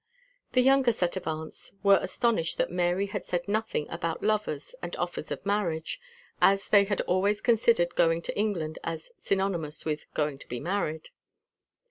The younger set of aunts were astonished that Mary had said nothing about lovers and offers of marriage, as they had always considered going to England as synonymous with going to be married.